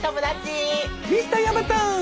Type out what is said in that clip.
ミスターヤバタン！